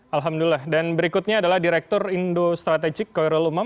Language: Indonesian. alhamdulillah dan berikutnya adalah direktur indo strategik koirul umam